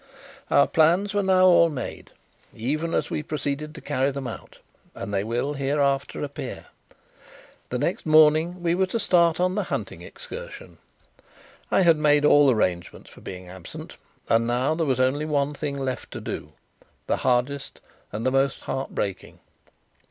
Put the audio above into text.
Our plans were now all made, even as we proceeded to carry them out, and as they will hereafter appear. The next morning we were to start on the hunting excursion. I had made all arrangements for being absent, and now there was only one thing left to do the hardest, the most heart breaking.